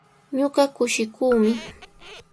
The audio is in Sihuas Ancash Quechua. Ñuqa kushikuumi.